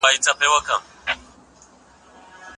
د کلي ژوند د ښار له غوغا څخه ډېر لرې او ارام دی.